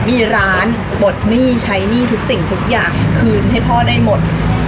มีร้านปลดหนี้ใช้หนี้ทุกสิ่งทุกอย่างคืนให้พ่อได้หมด